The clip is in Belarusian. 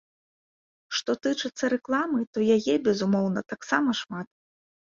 Што тычыцца рэкламы, то яе, безумоўна, таксама шмат.